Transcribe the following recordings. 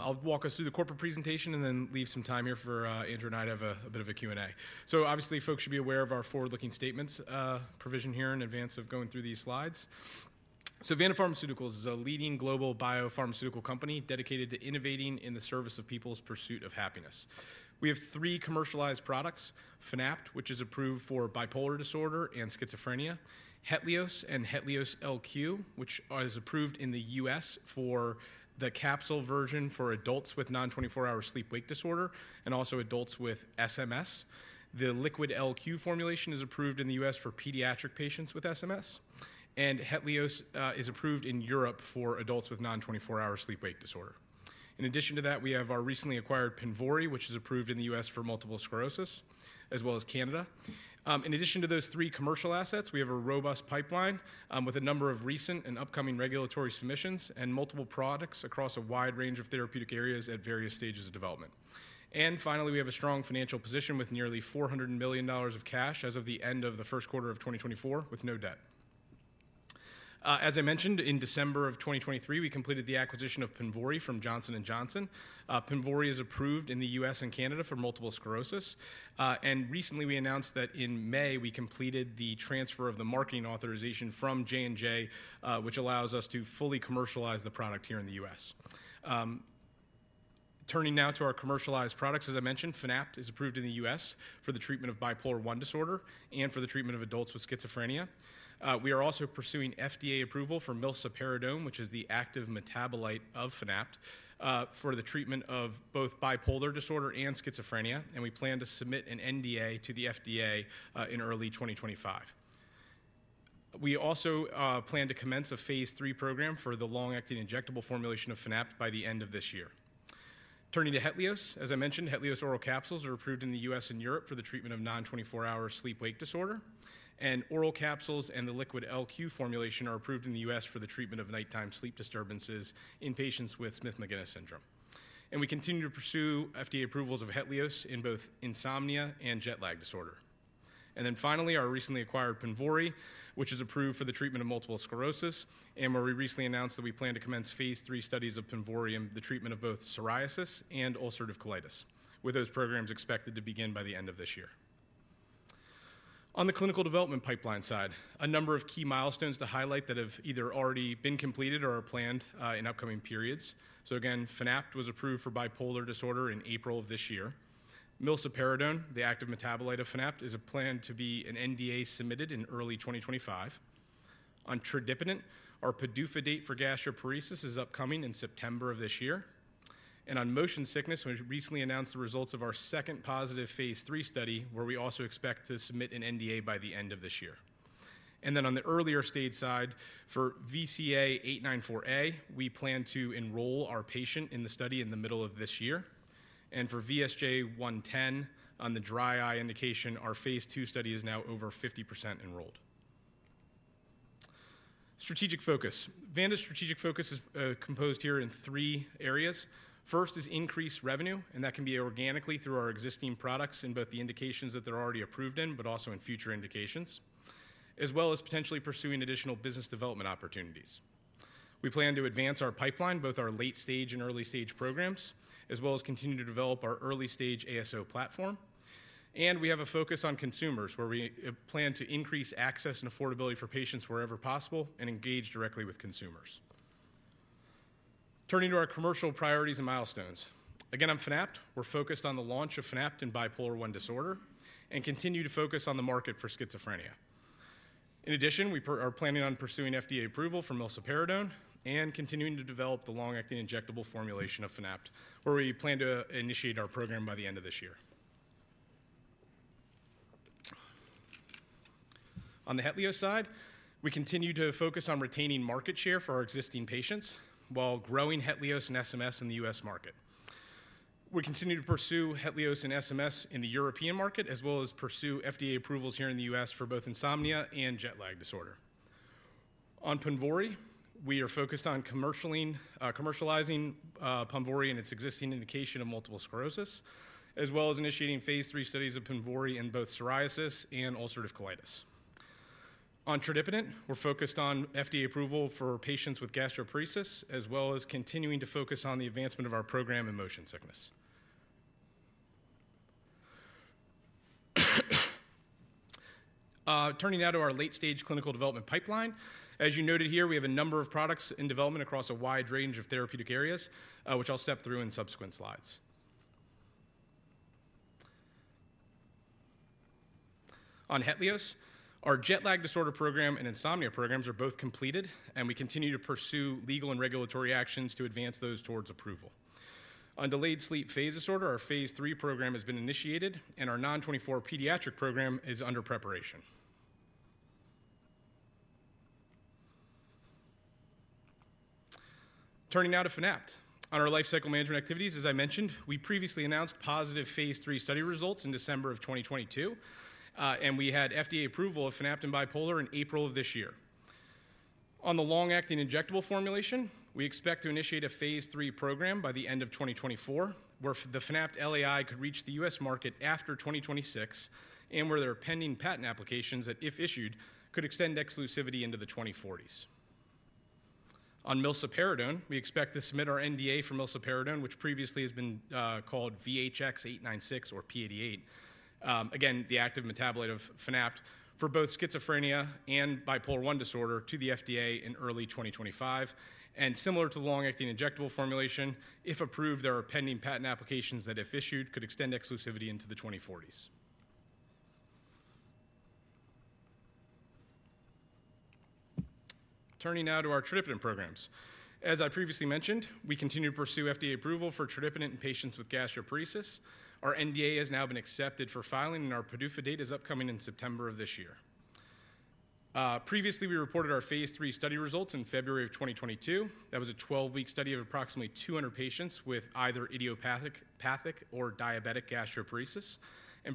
I'll walk us through the corporate presentation and then leave some time here for Andrew and I to have a bit of a Q&A. So obviously, folks should be aware of our forward-looking statements provision here in advance of going through these slides. So Vanda Pharmaceuticals is a leading global biopharmaceutical company dedicated to innovating in the service of people's pursuit of happiness. We have three commercialized products: Fanapt, which is approved for bipolar disorder and schizophrenia. HETLIOZ and HETLIOZ LQ, which is approved in the U.S. for the capsule version for adults with Non-24-Hour Sleep-Wake Disorder and also adults with SMS. The liquid LQ formulation is approved in the U.S. for pediatric patients with SMS, and HETLIOZ is approved in Europe for adults with Non-24-Hour Sleep-Wake Disorder. In addition to that, we have our recently acquired PONVORY, which is approved in the U.S. for multiple sclerosis, as well as Canada. In addition to those three commercial assets, we have a robust pipeline with a number of recent and upcoming regulatory submissions and multiple products across a wide range of therapeutic areas at various stages of development. Finally, we have a strong financial position with nearly $400 million of cash as of the end of the first quarter of 2024, with no debt. As I mentioned, in December of 2023, we completed the acquisition of PONVORY from Johnson & Johnson. PONVORY is approved in the U.S. and Canada for multiple sclerosis. Recently, we announced that in May, we completed the transfer of the marketing authorization from J&J, which allows us to fully commercialize the product here in the U.S. Turning now to our commercialized products, as I mentioned, Fanapt is approved in the U.S. for the treatment of bipolar I disorder and for the treatment of adults with schizophrenia. We are also pursuing FDA approval for milsaperidone, which is the active metabolite of Fanapt, for the treatment of both bipolar disorder and schizophrenia, and we plan to submit an NDA to the FDA in early 2025. We also plan to commence a phase III program for the long-acting injectable formulation of Fanapt by the end of this year. Turning to HETLIOZ, as I mentioned, HETLIOZ oral capsules are approved in the U.S. and Europe for the treatment of Non-24-Hour Sleep-Wake Disorder. Oral capsules and the liquid LQ formulation are approved in the U.S. for the treatment of nighttime sleep disturbances in patients with Smith-Magenis Syndrome. We continue to pursue FDA approvals of HETLIOZ in both insomnia and jet lag disorder. And then finally, our recently acquired PONVORY, which is approved for the treatment of multiple sclerosis, and where we recently announced that we plan to commence phase III studies of PONVORY in the treatment of both psoriasis and ulcerative colitis, with those programs expected to begin by the end of this year. On the clinical development pipeline side, a number of key milestones to highlight that have either already been completed or are planned in upcoming periods. So again, Fanapt was approved for bipolar disorder in April of this year. Milsaperidone, the active metabolite of Fanapt, is planned to be an NDA submitted in early 2025. On tradipitant, our PDUFA date for gastroparesis is upcoming in September of this year. And on motion sickness, we recently announced the results of our second positive phase III study, where we also expect to submit an NDA by the end of this year. And then on the earlier stage side, for VCA-894A, we plan to enroll our patient in the study in the middle of this year. And for VSJ-110 on the dry eye indication, our phase II study is now over 50% enrolled. Strategic focus. Vanda's strategic focus is composed here in three areas. First is increased revenue, and that can be organically through our existing products in both the indications that they're already approved in, but also in future indications, as well as potentially pursuing additional business development opportunities. We plan to advance our pipeline, both our late-stage and early-stage programs, as well as continue to develop our early-stage ASO platform. And we have a focus on consumers, where we plan to increase access and affordability for patients wherever possible and engage directly with consumers. Turning to our commercial priorities and milestones. Again, on Fanapt, we're focused on the launch of Fanapt in bipolar I disorder and continue to focus on the market for schizophrenia. In addition, we are planning on pursuing FDA approval for milsaperidone and continuing to develop the long-acting injectable formulation of Fanapt, where we plan to initiate our program by the end of this year. On the HETLIOZ side, we continue to focus on retaining market share for our existing patients while growing HETLIOZ in SMS in the U.S. market. We continue to pursue HETLIOZ in SMS in the European market, as well as pursue FDA approvals here in the U.S. for both insomnia and jet lag disorder. On PONVORY, we are focused on commercializing PONVORY in its existing indication of multiple sclerosis, as well as initiating phase III studies of PONVORY in both psoriasis and ulcerative colitis. On tradipitant, we're focused on FDA approval for patients with gastroparesis, as well as continuing to focus on the advancement of our program in motion sickness. Turning now to our late-stage clinical development pipeline. As you noted here, we have a number of products in development across a wide range of therapeutic areas, which I'll step through in subsequent slides. On HETLIOZ, our jet lag disorder program and insomnia programs are both completed, and we continue to pursue legal and regulatory actions to advance those towards approval. On delayed sleep phase disorder, our phase III program has been initiated, and our Non-24 pediatric program is under preparation. Turning now to Fanapt. On our life cycle management activities, as I mentioned, we previously announced positive phase III study results in December of 2022, and we had FDA approval of Fanapt in bipolar in April of this year. On the long-acting injectable formulation, we expect to initiate a phase III program by the end of 2024, where the Fanapt LAI could reach the U.S. market after 2026, and where there are pending patent applications that, if issued, could extend exclusivity into the 2040s. On milsaperidone, we expect to submit our NDA for milsaperidone, which previously has been called VHX-896 or P88, again, the active metabolite of Fanapt for both schizophrenia and bipolar I disorder to the FDA in early 2025. Similar to the long-acting injectable formulation, if approved, there are pending patent applications that, if issued, could extend exclusivity into the 2040s. Turning now to our tradipitant programs. As I previously mentioned, we continue to pursue FDA approval for tradipitant in patients with gastroparesis. Our NDA has now been accepted for filing, and our PDUFA date is upcoming in September of this year. Previously, we reported our phase III study results in February of 2022. That was a 12-week study of approximately 200 patients with either idiopathic or diabetic gastroparesis.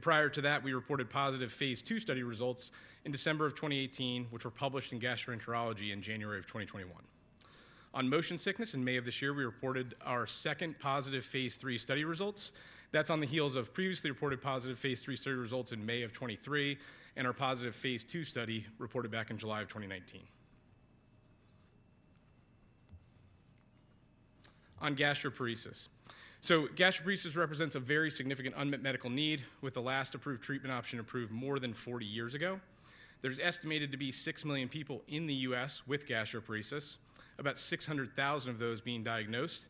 Prior to that, we reported positive phase II study results in December of 2018, which were published in Gastroenterology in January of 2021. On motion sickness, in May of this year, we reported our second positive phase III study results. That's on the heels of previously reported positive phase III study results in May of 2023 and our positive phase II study reported back in July of 2019. On gastroparesis, gastroparesis represents a very significant unmet medical need, with the last approved treatment option approved more than 40 years ago. There's estimated to be 6 million people in the U.S. with gastroparesis, about 600,000 of those being diagnosed.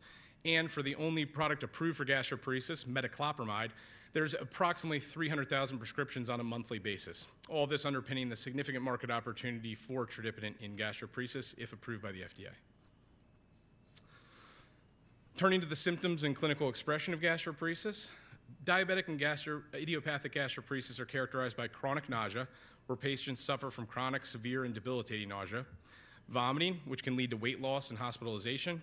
For the only product approved for gastroparesis, metoclopramide, there's approximately 300,000 prescriptions on a monthly basis, all this underpinning the significant market opportunity for tradipitant in gastroparesis if approved by the FDA. Turning to the symptoms and clinical expression of gastroparesis, diabetic and idiopathic gastroparesis are characterized by chronic nausea, where patients suffer from chronic, severe, and debilitating nausea, vomiting, which can lead to weight loss and hospitalization,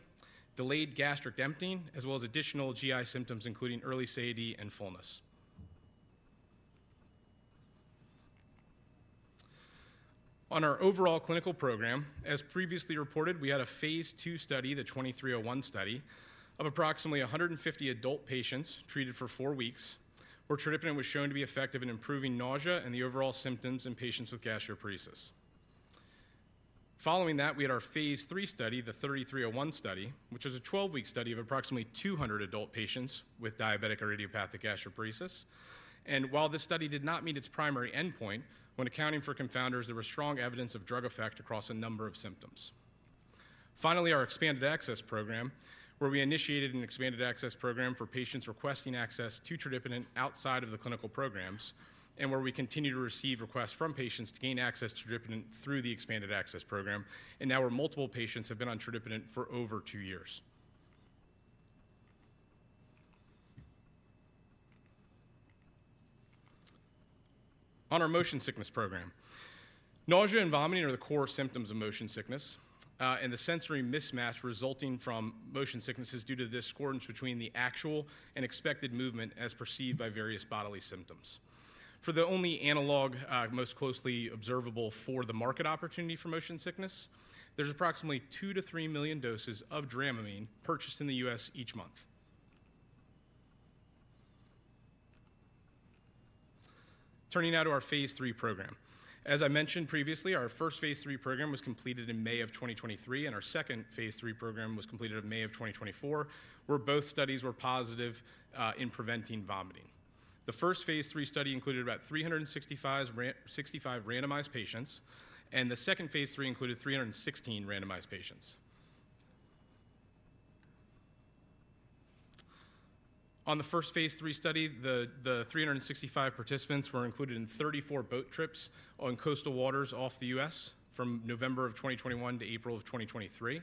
delayed gastric emptying, as well as additional GI symptoms, including early satiety and fullness. On our overall clinical program, as previously reported, we had a phase II study, the 2301 study, of approximately 150 adult patients treated for four weeks, where tradipitant was shown to be effective in improving nausea and the overall symptoms in patients with gastroparesis. Following that, we had our phase III study, the 3301 study, which was a 12-week study of approximately 200 adult patients with diabetic or idiopathic gastroparesis. And while this study did not meet its primary endpoint, when accounting for confounders, there was strong evidence of drug effect across a number of symptoms. Finally, our expanded access program, where we initiated an expanded access program for patients requesting access to tradipitant outside of the clinical programs, and where we continue to receive requests from patients to gain access to tradipitant through the expanded access program, and now where multiple patients have been on tradipitant for over two years. On our motion sickness program, nausea and vomiting are the core symptoms of motion sickness, and the sensory mismatch resulting from motion sickness is due to the discordance between the actual and expected movement as perceived by various bodily symptoms. For the only analog most closely observable for the market opportunity for motion sickness, there's approximately 2 million-3 million doses of dramamine purchased in the U.S. each month. Turning now to our phase III program. As I mentioned previously, our first phase III program was completed in May of 2023, and our second phase III program was completed in May of 2024, where both studies were positive in preventing vomiting. The first phase III study included about 365 randomized patients, and the second phase III included 316 randomized patients. On the first phase III study, the 365 participants were included in 34 boat trips on coastal waters off the U.S. from November of 2021 to April of 2023.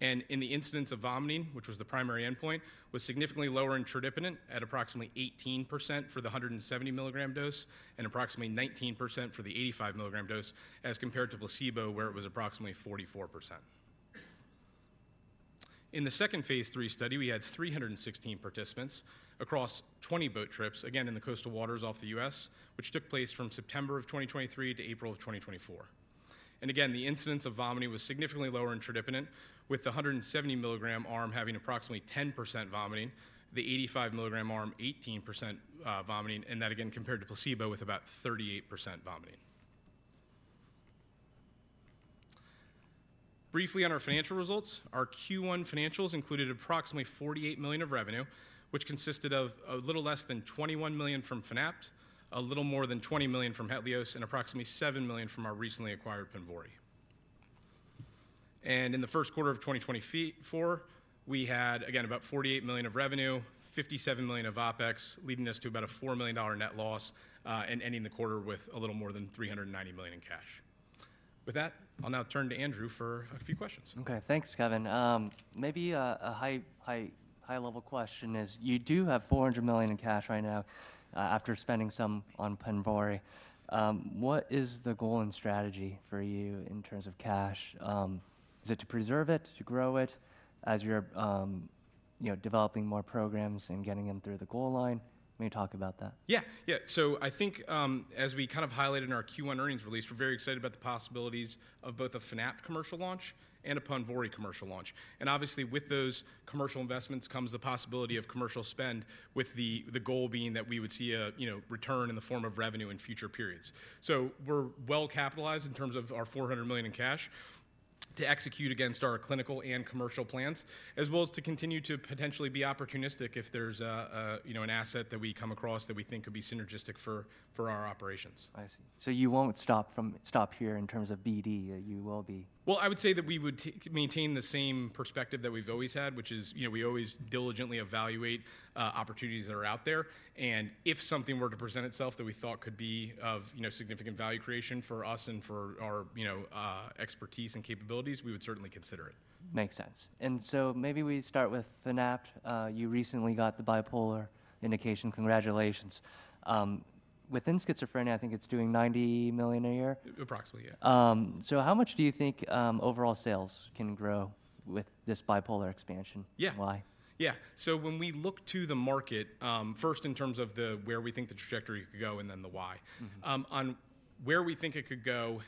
And in the incidence of vomiting, which was the primary endpoint, was significantly lower in tradipitant at approximately 18% for the 170 mg dose and approximately 19% for the 85 mg dose, as compared to placebo, where it was approximately 44%. In the second phase III study, we had 316 participants across 20 boat trips, again in the coastal waters off the U.S., which took place from September of 2023 to April of 2024. Again, the incidence of vomiting was significantly lower in tradipitant, with the 170 mg arm having approximately 10% vomiting, the 85 mg arm 18% vomiting, and that again compared to placebo with about 38% vomiting. Briefly on our financial results, our Q1 financials included approximately $48 million of revenue, which consisted of a little less than $21 million from Fanapt, a little more than $20 million from HETLIOZ, and approximately $7 million from our recently acquired PONVORY. In the first quarter of 2024, we had, again, about $48 million of revenue, $57 million of OpEx, leading us to about a $4 million net loss and ending the quarter with a little more than $390 million in cash. With that, I'll now turn to Andrew for a few questions. Okay, thanks, Kevin. Maybe a high-level question is, you do have $400 million in cash right now after spending some on PONVORY. What is the goal and strategy for you in terms of cash? Is it to preserve it, to grow it as you're developing more programs and getting them through the goal line? Maybe talk about that. Yeah, yeah. I think as we kind of highlighted in our Q1 earnings release, we're very excited about the possibilities of both a Fanapt commercial launch and a PONVORY commercial launch. Obviously, with those commercial investments comes the possibility of commercial spend, with the goal being that we would see a return in the form of revenue in future periods. We're well capitalized in terms of our $400 million in cash to execute against our clinical and commercial plans, as well as to continue to potentially be opportunistic if there's an asset that we come across that we think could be synergistic for our operations. I see. So you won't stop here in terms of BD? You will be? Well, I would say that we would maintain the same perspective that we've always had, which is we always diligently evaluate opportunities that are out there. If something were to present itself that we thought could be of significant value creation for us and for our expertise and capabilities, we would certainly consider it. Makes sense. And so maybe we start with Fanapt. You recently got the bipolar indication. Congratulations. Within schizophrenia, I think it's doing $90 million a year? Approximately, yeah. How much do you think overall sales can grow with this bipolar expansion? Yeah. Why? Yeah. So when we look to the market, first in terms of where we think the trajectory could go and then the why. On where we think it could go,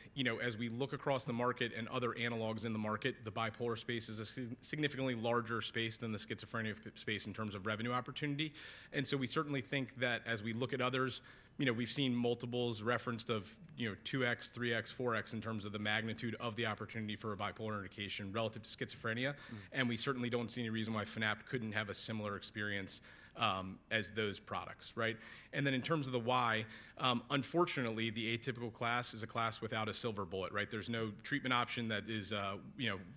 as we look across the market and other analogs in the market, the bipolar space is a significantly larger space than the schizophrenia space in terms of revenue opportunity. And so we certainly think that as we look at others, we've seen multiples referenced of 2x, 3x, 4x in terms of the magnitude of the opportunity for a bipolar indication relative to schizophrenia. And we certainly don't see any reason why Fanapt couldn't have a similar experience as those products, right? And then in terms of the why, unfortunately, the atypical class is a class without a silver bullet, right? There's no treatment option that is a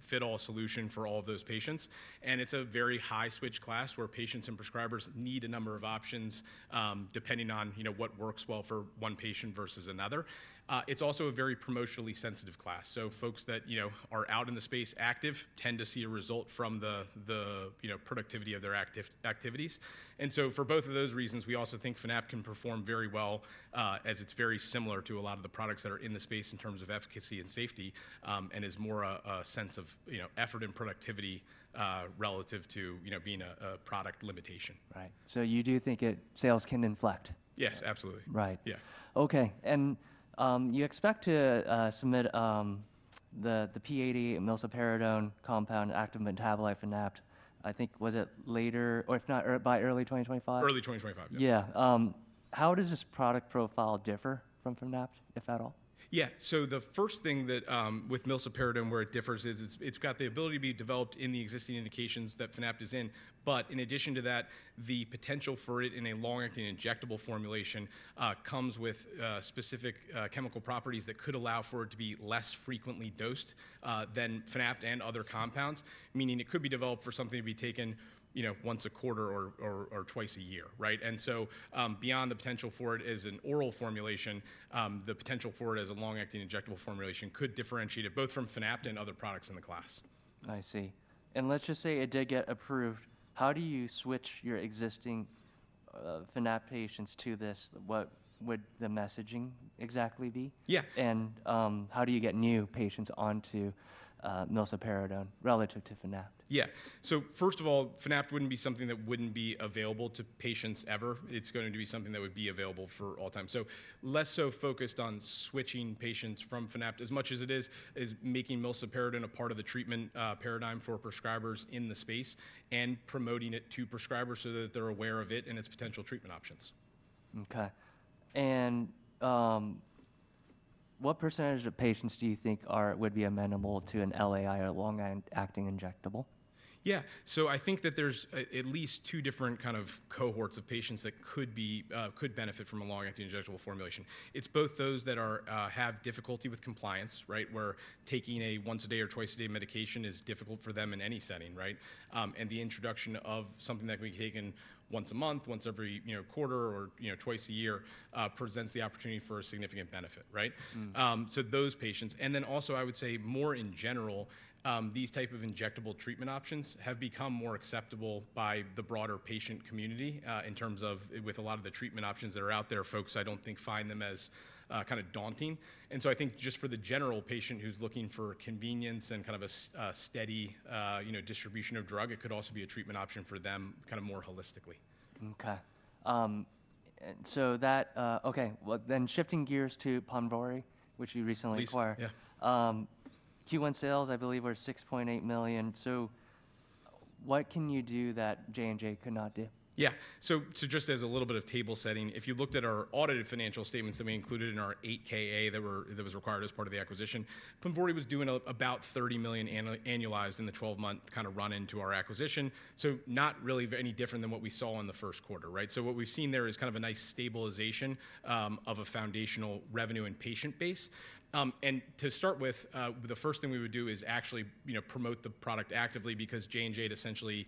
fit-all solution for all of those patients. It's a very high-switch class where patients and prescribers need a number of options depending on what works well for one patient versus another. It's also a very promotionally sensitive class. So folks that are out in the space active tend to see a result from the productivity of their activities. And so for both of those reasons, we also think Fanapt can perform very well as it's very similar to a lot of the products that are in the space in terms of efficacy and safety and is more a sense of effort and productivity relative to being a product limitation. Right. So you do think sales can inflect? Yes, absolutely. Right. Yeah. Okay. You expect to submit the P88, milsaperidone compound, active metabolite Fanapt, I think was it later or if not by early 2025? Early 2025, yeah. Yeah. How does this product profile differ from Fanapt, if at all? Yeah. So the first thing with milsaperidone, where it differs, is it's got the ability to be developed in the existing indications that Fanapt is in. But in addition to that, the potential for it in a long-acting injectable formulation comes with specific chemical properties that could allow for it to be less frequently dosed than Fanapt and other compounds, meaning it could be developed for something to be taken once a quarter or twice a year, right? And so beyond the potential for it as an oral formulation, the potential for it as a long-acting injectable formulation could differentiate it both from Fanapt and other products in the class. I see. Let's just say it did get approved. How do you switch your existing Fanapt patients to this? What would the messaging exactly be? Yeah. How do you get new patients onto milsaperidone relative to Fanapt? Yeah. So first of all, Fanapt wouldn't be something that wouldn't be available to patients ever. It's going to be something that would be available for all time. So less so focused on switching patients from Fanapt as much as it is making milsaperidone a part of the treatment paradigm for prescribers in the space and promoting it to prescribers so that they're aware of it and its potential treatment options. Okay. What percentage of patients do you think would be amenable to an LAI or long-acting injectable? Yeah. So I think that there's at least two different kind of cohorts of patients that could benefit from a long-acting injectable formulation. It's both those that have difficulty with compliance, right, where taking a once-a-day or twice-a-day medication is difficult for them in any setting, right? And the introduction of something that can be taken once a month, once every quarter or twice a year presents the opportunity for a significant benefit, right? So those patients. And then also, I would say more in general, these types of injectable treatment options have become more acceptable by the broader patient community in terms of with a lot of the treatment options that are out there, folks I don't think find them as kind of daunting. And so I think just for the general patient who's looking for convenience and kind of a steady distribution of drug, it could also be a treatment option for them kind of more holistically. Well, then shifting gears to PONVORY, which you recently acquired. Please, yeah. Q1 sales, I believe, were $6.8 million. So what can you do that J&J could not do? Yeah. So just as a little bit of table setting, if you looked at our audited financial statements that we included in our 8-K that was required as part of the acquisition, PONVORY was doing about $30 million annualized in the 12-month kind of run into our acquisition. So not really any different than what we saw in the first quarter, right? So what we've seen there is kind of a nice stabilization of a foundational revenue and patient base. To start with, the first thing we would do is actually promote the product actively because J&J had essentially,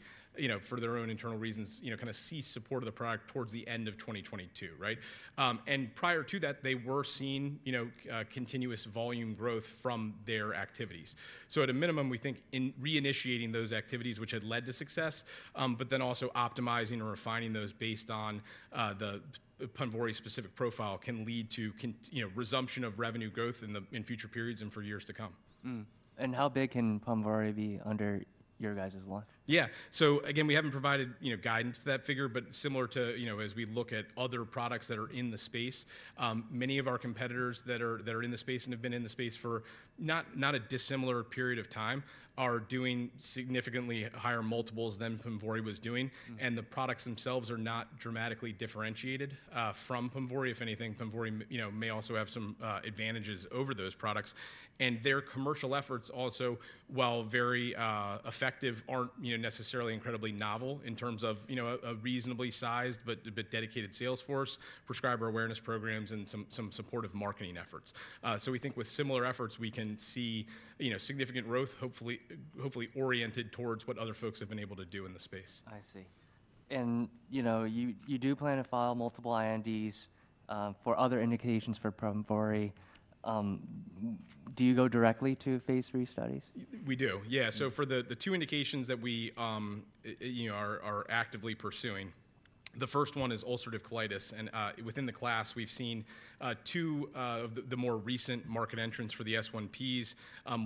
for their own internal reasons, kind of ceased support of the product towards the end of 2022, right? And prior to that, they were seeing continuous volume growth from their activities. So at a minimum, we think reinitiating those activities, which had led to success, but then also optimizing and refining those based on the PONVORY-specific profile can lead to resumption of revenue growth in future periods and for years to come. How big can PONVORY be under your guys' launch? Yeah. So again, we haven't provided guidance to that figure, but similar to as we look at other products that are in the space, many of our competitors that are in the space and have been in the space for not a dissimilar period of time are doing significantly higher multiples than PONVORY was doing. And the products themselves are not dramatically differentiated from PONVORY. If anything, PONVORY may also have some advantages over those products. And their commercial efforts also, while very effective, aren't necessarily incredibly novel in terms of a reasonably sized but dedicated sales force, prescriber awareness programs, and some supportive marketing efforts. So we think with similar efforts, we can see significant growth, hopefully oriented towards what other folks have been able to do in the space. I see. You do plan to file multiple INDs for other indications for PONVORY. Do you go directly to phase III studies? We do, yeah. So for the two indications that we are actively pursuing, the first one is ulcerative colitis. And within the class, we've seen two of the more recent market entrants for the S1Ps,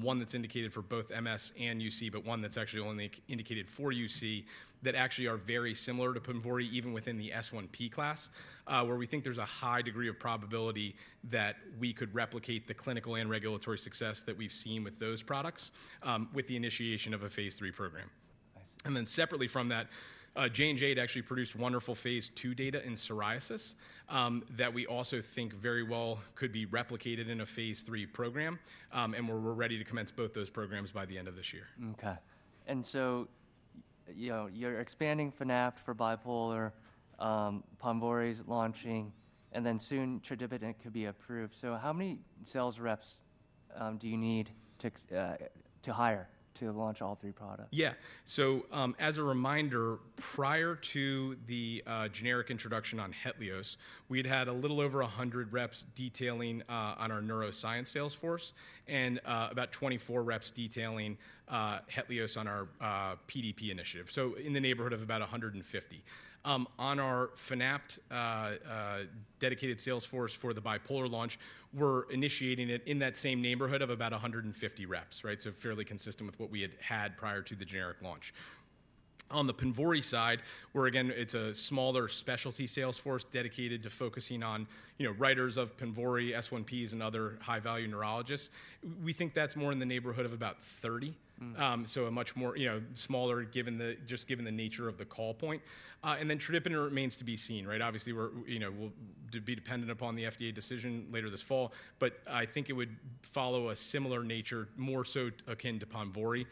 one that's indicated for both MS and UC, but one that's actually only indicated for UC that actually are very similar to PONVORY, even within the S1P class, where we think there's a high degree of probability that we could replicate the clinical and regulatory success that we've seen with those products with the initiation of a phase III program. And then separately from that, J&J had actually produced wonderful phase II data in psoriasis that we also think very well could be replicated in a phase III program. And we're ready to commence both those programs by the end of this year. Okay. And so you're expanding Fanapt for bipolar, PONVORY's launching, and then soon tradipitant could be approved. So how many sales reps do you need to hire to launch all three products? Yeah. So as a reminder, prior to the generic introduction on HETLIOZ, we had had a little over 100 reps detailing on our neuroscience sales force and about 24 reps detailing HETLIOZ on our PDP initiative. So in the neighborhood of about 150. On our Fanapt dedicated sales force for the bipolar launch, we're initiating it in that same neighborhood of about 150 reps, right? So fairly consistent with what we had had prior to the generic launch. On the PONVORY side, where again, it's a smaller specialty sales force dedicated to focusing on writers of PONVORY, S1Ps, and other high-value neurologists, we think that's more in the neighborhood of about 30. So a much smaller given just given the nature of the call point. And then tradipitant remains to be seen, right? Obviously, we'll be dependent upon the FDA decision later this fall, but I think it would follow a similar nature, more so akin to PONVORY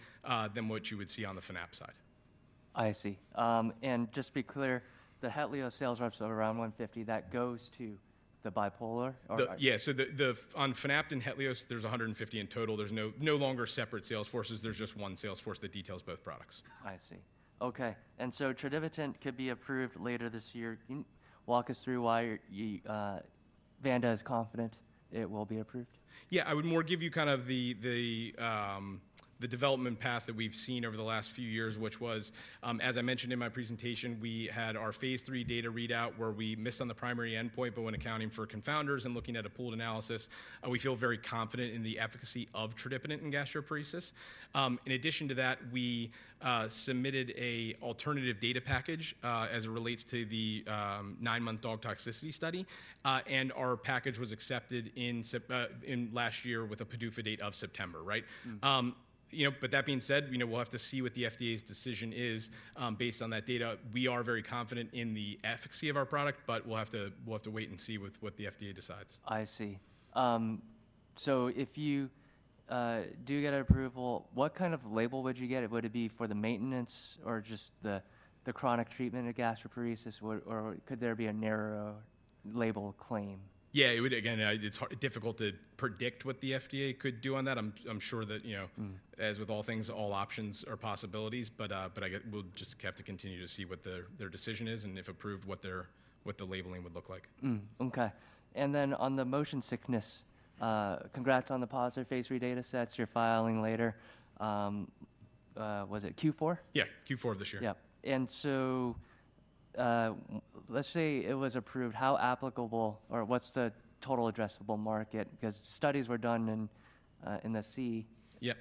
than what you would see on the Fanapt side. I see. And just to be clear, the HETLIOZ sales reps are around 150. That goes to the bipolar? Yeah. So on Fanapt and HETLIOZ, there's 150 in total. There's no longer separate sales forces. There's just one sales force that details both products. I see. Okay. And so tradipitant could be approved later this year. Walk us through why Vanda is confident it will be approved. Yeah. I would more give you kind of the development path that we've seen over the last few years, which was, as I mentioned in my presentation, we had our phase III data readout where we missed on the primary endpoint, but when accounting for confounders and looking at a pooled analysis, we feel very confident in the efficacy of tradipitant and gastroparesis. In addition to that, we submitted an alternative data package as it relates to the nine-month dog toxicity study. Our package was accepted last year with a PDUFA date of September, right? But that being said, we'll have to see what the FDA's decision is based on that data. We are very confident in the efficacy of our product, but we'll have to wait and see what the FDA decides. I see. So if you do get approval, what kind of label would you get? Would it be for the maintenance or just the chronic treatment of gastroparesis, or could there be a narrow label claim? Yeah. Again, it's difficult to predict what the FDA could do on that. I'm sure that as with all things, all options are possibilities, but we'll just have to continue to see what their decision is and if approved, what the labeling would look like. Okay. And then on the motion sickness, congrats on the positive phase III data sets. You're filing later. Was it Q4? Yeah, Q4 of this year. Yeah. So let's say it was approved, how applicable or what's the total addressable market? Because studies were done at sea. Yeah.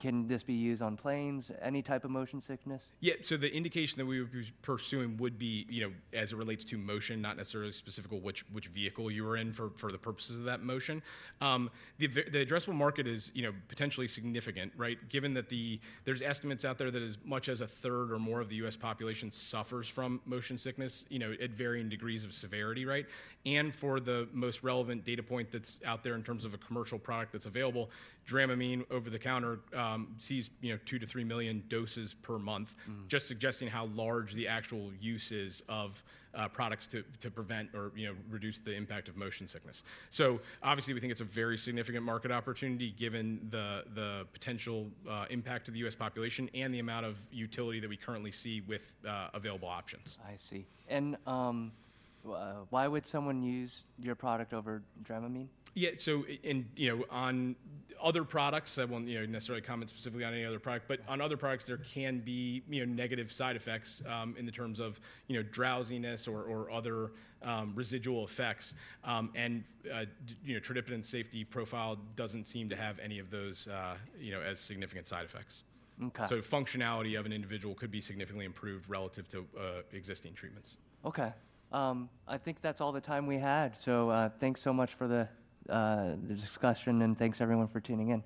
Can this be used on planes? Any type of motion sickness? Yeah. So the indication that we would be pursuing would be as it relates to motion, not necessarily specifically which vehicle you were in for the purposes of that motion. The addressable market is potentially significant, right? Given that there's estimates out there that as much as a third or more of the U.S. population suffers from motion sickness at varying degrees of severity, right? And for the most relevant data point that's out there in terms of a commercial product that's available, dramamine over the counter sees 2 million-3 million doses per month, just suggesting how large the actual use is of products to prevent or reduce the impact of motion sickness. So obviously, we think it's a very significant market opportunity given the potential impact of the U.S. population and the amount of utility that we currently see with available options. I see. And why would someone use your product over dramamine? Yeah. On other products, I won't necessarily comment specifically on any other product, but on other products, there can be negative side effects in terms of drowsiness or other residual effects. Tradipitant's safety profile doesn't seem to have any of those as significant side effects. Functionality of an individual could be significantly improved relative to existing treatments. Okay. I think that's all the time we had. So thanks so much for the discussion and thanks everyone for tuning in.